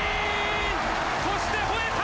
そしてほえた！